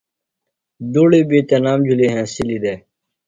دُڑیۡ بیۡ تنام جُھلیۡ ہینسِلی دےۡ